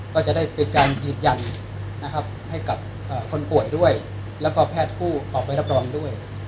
ก็จะได้เป็นการยืนยันนะครับให้กับคนป่วยด้วยแล้วก็แพทย์ผู้ออกไปรับรองด้วย